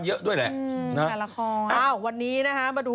ช่างแต่งหน้าเขียนตาให้